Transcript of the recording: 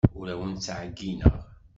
Ur awent-ttɛeyyineɣ.